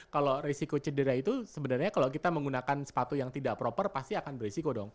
kalau risiko cedera itu sebenarnya kalau kita menggunakan sepatu yang tidak proper pasti akan berisiko dong